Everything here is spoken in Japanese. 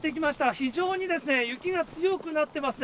非常に雪が強くなってますね。